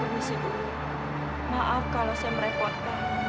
tuhan aduh maaf kalau saya merepot